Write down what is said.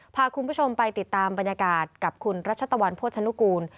พาคุณผู้ชมไปติดตามบรรยากาศกับคุณรัชตะวันโภชนุกูล